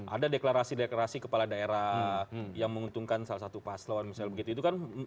ada deklarasi deklarasi kepala daerah yang menguntungkan salah satu paslawan misalnya begitu itu kan